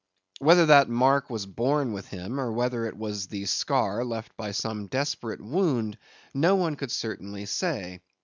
Whether that mark was born with him, or whether it was the scar left by some desperate wound, no one could certainly say.